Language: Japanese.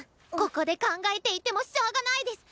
ここで考えていてもしょうがないデス！